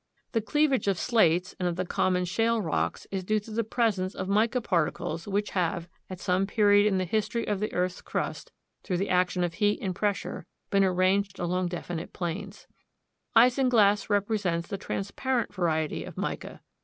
The cleavage of slates and of the common shale rocks is due to the presence of mica particles which have, at some period in the history of the earth's crust, through the action of heat and pressure, been arranged along definite planes. Isinglass represents the transparent variety of mica.